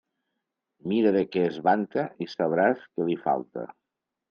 Mira de què es vanta i sabràs què li falta.